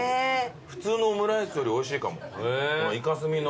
普通のオムライスよりおいしいかもイカスミの感じが。